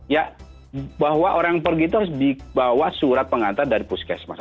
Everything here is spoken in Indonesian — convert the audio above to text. ya bahwa orang pergi itu harus dibawa surat pengantar dari puskesmas